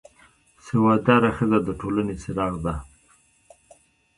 سواد داره ښځه د ټولنې څراغ ده